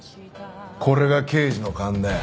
これが刑事の勘だよ。